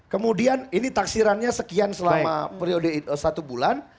kemudian ini taksirannya sekian selama periode satu bulan